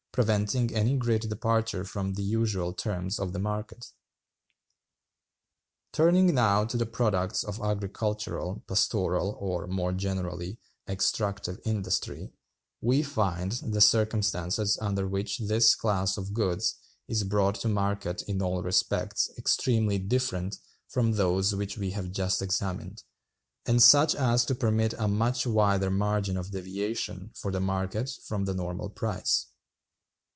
preventing any great departure from the usual terms of the market. "Turning now to the products of agricultural, pastoral, or, more generally, 'extractive' industry, we find the circumstances under which this class of goods is brought to market in all respects extremely different from those which we have just examined, and such as to permit a much wider margin of deviation for the market from the normal price.